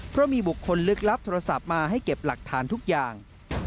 เพราะมีบุคคลลึกลับโทรศัพท์มาให้เก็บหลักฐานทุกอย่าง